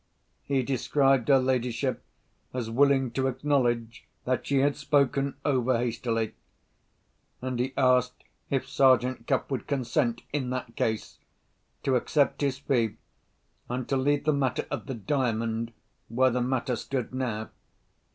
He described her ladyship as willing to acknowledge that she had spoken over hastily. And he asked if Sergeant Cuff would consent—in that case—to accept his fee, and to leave the matter of the Diamond where the matter stood now.